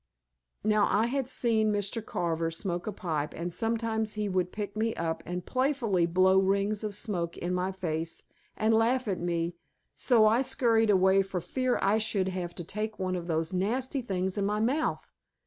Now I had seen Mr. Carver smoke a pipe and sometimes he would pick me up and playfully blow rings of smoke in my face and laugh at me so I scurried away for fear I should have to take one of those nasty things in my mouth.